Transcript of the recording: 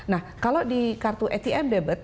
nah kalau di kartu etm debit